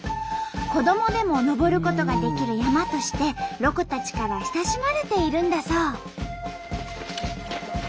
子どもでも登ることができる山としてロコたちから親しまれているんだそう。